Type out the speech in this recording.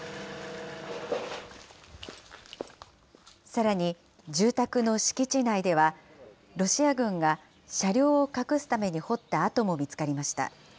さらに、住宅の敷地内では、ロシア軍が車両を隠すために掘った跡も見つかりました。